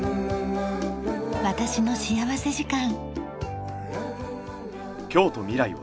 『私の幸福時間』。